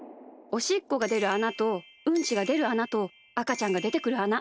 おしっこがでるあなとうんちがでるあなとあかちゃんがでてくるあな。